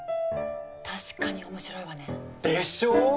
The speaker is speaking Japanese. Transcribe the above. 確かに面白いわね。でしょう？